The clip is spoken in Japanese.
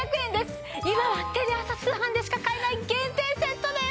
今はテレ朝通販でしか買えない限定セットです！